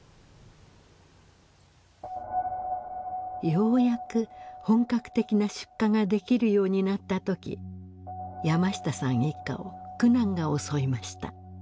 ようやく本格的な出荷ができるようになった時山下さん一家を苦難が襲いました。